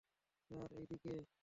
Sir, এইদিকে।